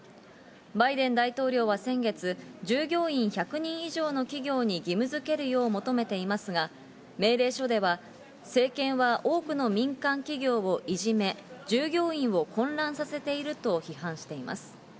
バイデン大統領は先月、従業員１００人以上の企業に義務づけるよう求めていますが、命令書では政権は多くの民間企業をいじめ従業員を混乱させていると批判しています。